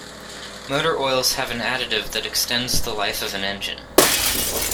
Motor oils have an additive that extends the life of an Engine.